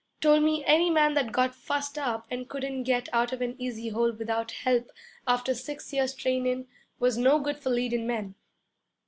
Told me any man that got fussed up and couldn't get out of an easy hole without help after six years' trainin' was no good for leadin' men.